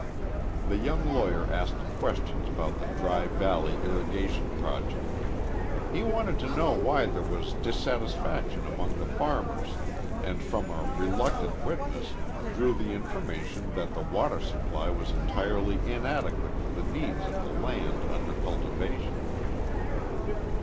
The young lawyer asked questions about the Dry Valley irrigation project. He wanted to know why there was dissatisfaction among the farmers, and from a reluctant witness drew the information that the water supply was entirely inadequate for the needs of the land under cultivation.